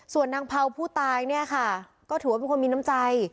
ส่วนนางเผาผู้ตายเนี่ยค่ะก็ถือว่าเป็นคนมีน้ำใจ